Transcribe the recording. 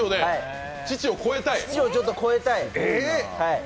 父を超えたい。